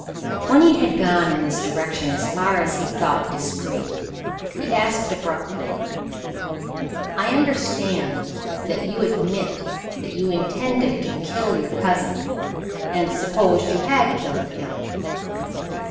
When he had gone in this direction as far as he thought discreet, he asked abruptly: "I understand that you admit that you intended to kill your cousin, and supposed you had killed him?"